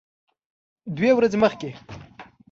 دوه ورځې مخکې